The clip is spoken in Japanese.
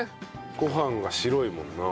ご飯が白いもんな。